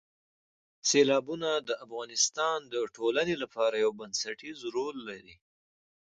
سیلابونه د افغانستان د ټولنې لپاره یو بنسټیز رول لري.